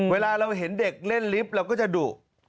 เวลาเราเห็นเด็กเล่นลิฟต์เราก็จะดุ